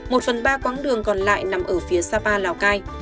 một phần ba quãng đường còn lại nằm ở phía sapa lào cai